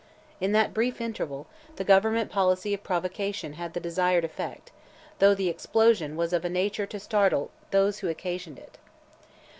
In that brief interval, the Government policy of provocation had the desired effect, though the explosion was of a nature to startle those who occasioned it.